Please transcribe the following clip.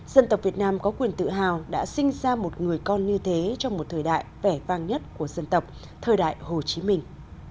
dân tộc việt nam có quyền tự hào đã sinh ra một người con như thế trong một thời đại vẻ vang nhất của dân tộc thời đại hồ chí minh